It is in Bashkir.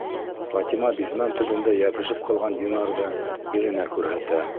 Фатима бизмән төбөндә йәбешеп ҡалған динарҙы иренә күрһәтә.